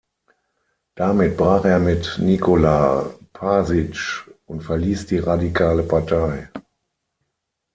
Damit brach er mit Nikola Pašić und verließ die Radikale Partei.